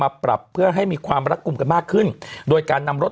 ปรับเพื่อให้มีความรักกลุ่มกันมากขึ้นโดยการนำรถ